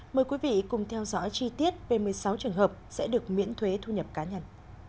mời quý vị cùng theo dõi chi tiết về một mươi sáu trường hợp sẽ được miễn thuế thu nhập cá nhân